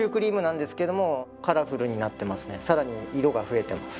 さらに色が増えてます